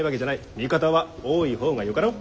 味方は多い方がよかろう。